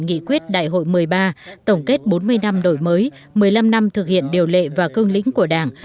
nghị quyết đại hội một mươi ba tổng kết bốn mươi năm đổi mới một mươi năm năm thực hiện điều lệ và cương lĩnh của đảng